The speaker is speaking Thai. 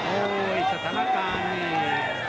โอ้ยสถานการณ์นี้